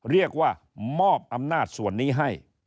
เรียกว่ามอบอำนาจส่วนนี้ให้